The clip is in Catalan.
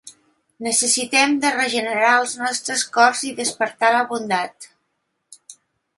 Necessitem de regenerar els nostres cors i despertar la bondat.